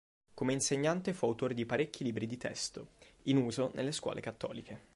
Come insegnante fu autore di parecchi libri di testo, in uso nelle scuole cattoliche.